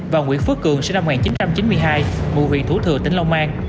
và nguyễn phước cường sinh năm một nghìn chín trăm chín mươi hai ngụ huyện thủ thừa tỉnh long an